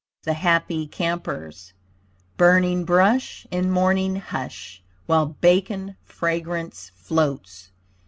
THE HAPPY CAMPERS Burning brush In morning hush While bacon fragrance floats.